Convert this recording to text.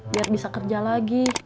biar bisa kerja lagi